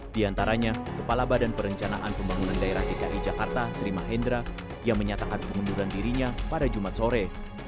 di antaranya kepala badan perencanaan pembangunan daerah dki jakarta sri mahendra yang menyatakan pengunduran dirinya pada jumat sore